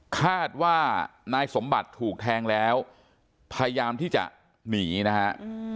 คาดว่านายสมบัติถูกแทงแล้วพยายามที่จะหนีนะฮะ